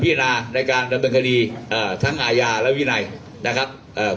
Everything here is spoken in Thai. นาในการดำเนินคดีเอ่อทั้งอาญาและวินัยนะครับเอ่อ